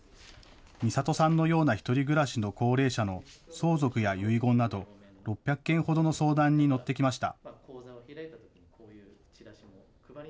みさとさんのような１人暮らしの高齢者の相続や遺言など６００件ほどの相談に乗ってきました。